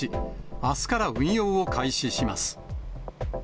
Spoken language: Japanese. あすから運用を開始します。